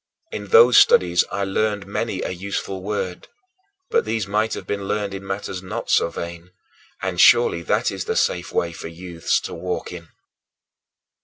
In those studies I learned many a useful word, but these might have been learned in matters not so vain; and surely that is the safe way for youths to walk in.